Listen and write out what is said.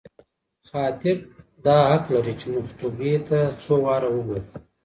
خاطب دا حق لري، چي مخطوبې ته څو واره وګوري